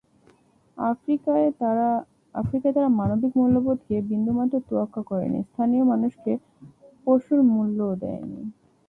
আফ্রিকায় তারা মানবিক মূল্যবোধকে বিন্দুমাত্র তোয়াক্কা করেনি, স্থানীয় মানুষকে পশুর মূল্যও দেয়নি।